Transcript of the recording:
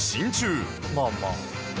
まあまあ。